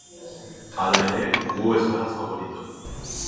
Hala ere, gu ez gara faborito.